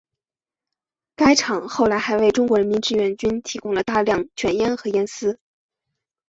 该厂后来还为中国人民志愿军提供了大量卷烟和烟丝。